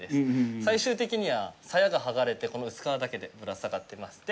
最終的には、さやが剥がれてこの薄皮だけでぶら下がってます。